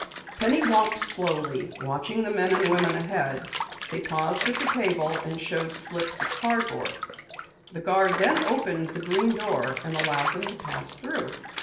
Penny walked slowly, watching the men and women ahead. They paused at the table and showed slips of cardboards. The guard then opened the green door and allowed them to pass through.